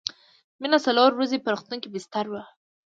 مينه څلور ورځې په روغتون کې بستر وه